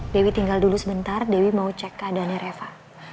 dewi tinggal dulu sebentar dewi mau cek keadaannya reva